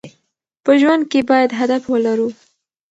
په ژوند کې باید هدف ولرو.